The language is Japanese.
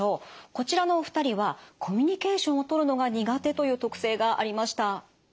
こちらのお二人はコミュニケーションをとるのが苦手という特性がありました。